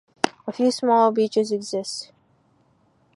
A few small beaches exist.